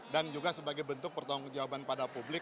dan juga sebagai bentuk pertanggung jawaban pada publik